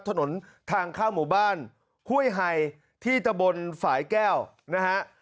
ถนนทางเข้าหมู่บ้านห้วยไฮที่ตะบนฝ่ายแก้วนะฮะ